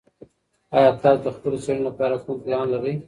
ایا تاسو د خپلو څېړنو لپاره کوم پلان لرئ؟